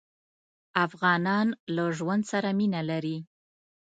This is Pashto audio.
افغانان له ژوند سره مينه لري.